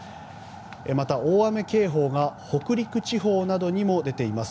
また大雨警報が北陸地方などにも出ています。